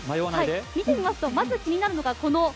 見ていきますとまず気になるのが。